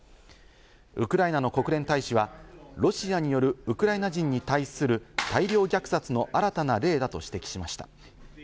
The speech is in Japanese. ウクライナの国連大使は、ロシアによるウクライナ人に対する大量虐殺の新たな例だと指摘しました。